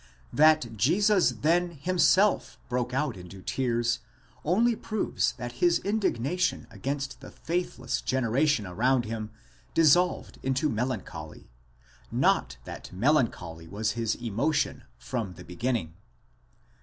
That Jesus then himself broke out into tears, only proves that his indignation against the faithless generation around him dissolved into melancholy, not that melancholy was his emotion from the beginning.